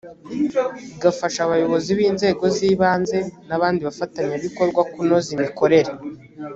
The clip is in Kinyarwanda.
igafasha abayobozi b inzego z ibanze n abandi bafatanyabikorwa kunoza imikorere